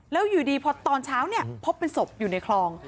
แล้วอยู่ดีพอตอนเช้าเนี่ยพบเป็นศพอยู่ในคลอง